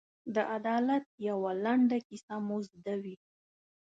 د عدالت یوه لنډه کیسه مو زده وي.